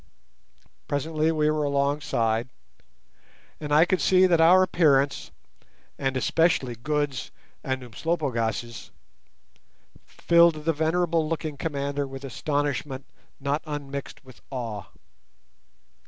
Presently we were alongside, and I could see that our appearance—and especially Good's and Umslopogaas's—filled the venerable looking commander with astonishment, not unmixed with awe.